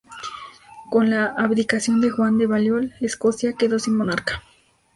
Con la abdicación de Juan de Balliol, Escocia quedó sin monarca.